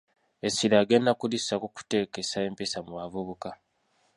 Essira agenda kulissa mu kuteekesa empisa mu bavubuka